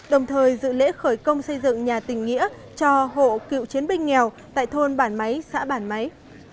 đồng thời dự lễ khởi công xây dựng nhà tình nghĩa cho hộ cựu chiến binh nghèo tại thôn bản máy xã bản máy